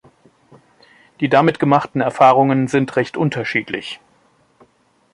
Die damit gemachten Erfahrungen sind recht unterschiedlich.